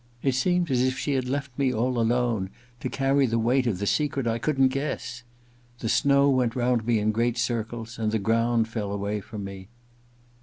It seemed as if she had left me all alone to carry the weight of the secret I couldn't guess. The snow went round me in great circles, and the ground fell away from me.